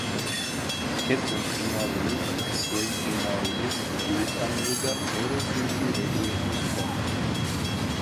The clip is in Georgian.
ქედზე მყინვარული, ძველმყინვარული, ვულკანური და ეროზიული რელიეფის ფორმებია.